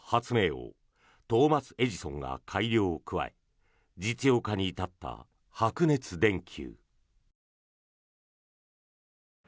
王トーマス・エジソンが改良を加え実用化に至った白熱電球。